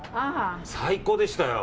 最高でしたよ。